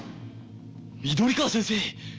緑川先生！